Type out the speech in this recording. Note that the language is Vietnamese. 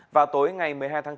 vào tối ngày một mươi hai tháng bốn